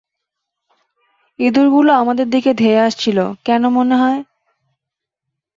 ইঁদুরগুলো আমাদের দিকে ধেঁয়ে আসছিল কেন মনে হয়?